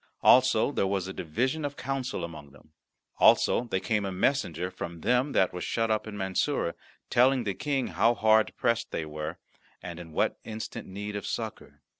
Also there was a division of counsel among them. Also there came a messenger from them that were shut up in Mansoura, telling the King how hard pressed they were, and in what instant need of succour.